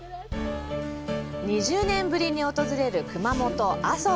２０年ぶりに訪れる熊本・阿蘇。